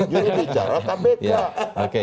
juru bicara kpk